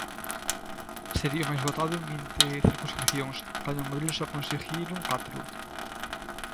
Sería o máis votado en vinte circunscricións, cando en abril só conseguiron catro.